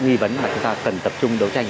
nghi vấn mà chúng ta cần tập trung đấu tranh